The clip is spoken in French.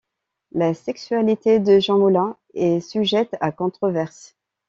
La sexualité de Jean Moulin est sujette à controverse.